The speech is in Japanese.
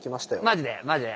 マジで？